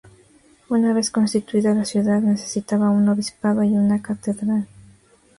Una vez constituida la ciudad, necesitaba un obispado y una catedral.